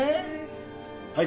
はい